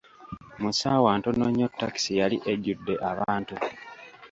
Mu ssaawa ntono nnyo takisi yali ejjudde abantu!